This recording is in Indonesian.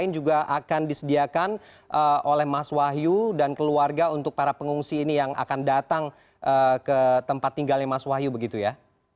ini juga akan disediakan oleh mas wahyu dan keluarga untuk para pengungsi ini yang akan datang ke tempat tinggalnya mas wahyu begitu ya